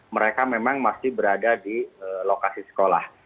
mereka memang masih berada di lokasi sekolah